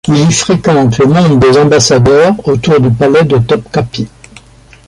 Il y fréquente le monde des ambassadeurs autour du palais de Topkapi.